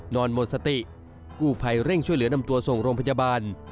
หมดสติกู้ภัยเร่งช่วยเหลือนำตัวส่งโรงพยาบาล